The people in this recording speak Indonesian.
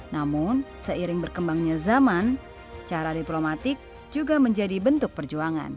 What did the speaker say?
namun seiring berkembangnya zaman cara diplomatik juga menjadi bentuk perjuangan